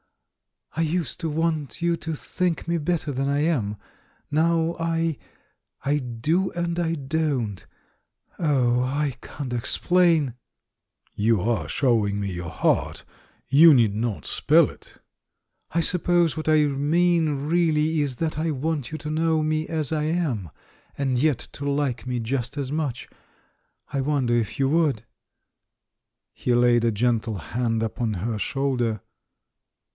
"I used to want you to think me better than I am. Now I — I do and I don't. Oh, I can't ex plain!" S52 THE MAN WHO UNDERSTOOD WOMEN "You are showing me your heart — ^you need not spell it." "I suppose what I mean really is that I want you to know me as I am, and yet to hke me just as much. I wonder if you would?" He laid a gentle hand upon her shoulder.